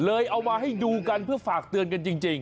เอามาให้ดูกันเพื่อฝากเตือนกันจริง